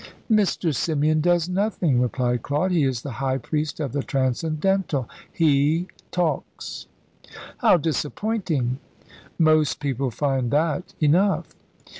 "Mr. Symeon does nothing," replied Claude. "He is the high priest of the Transcendental. He talks." "How disappointing!" "Most people find that enough."